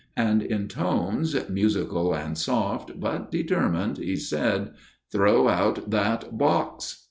And in tones, musical and soft but determined, he said: "Throw out that box!"